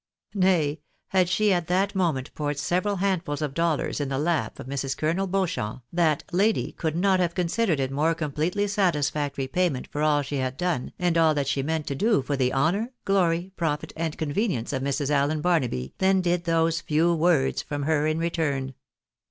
Nay, had she at that moment poured several handfuls of dollars in the lap of Mrs. Colonel Beauchamp, that lady could not have considered it more completely satisfactory payment for all she had done, and all that she meant to do for the honour, glory, profit, and convenience of Mrs. Allen Barnaby, than did those few words from her in return.